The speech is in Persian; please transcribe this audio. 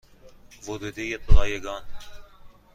ورودی رایگان